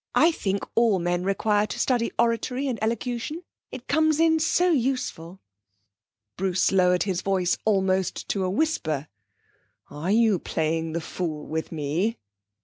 I think all men require to study oratory and elocution. It comes in so useful!' Bruce lowered his voice almost to a whisper. 'Are you playing the fool with me?'